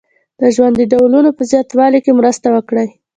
د ژوند د ډولونو په زیاتوالي کې مرسته وکړي.